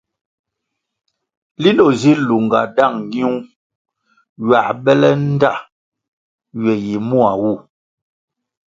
Linʼ o si lunga dang nyiung ywā bele ndta ywe yi mua wu.